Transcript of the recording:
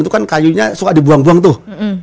itu kan kayunya suka dibuang buang tuh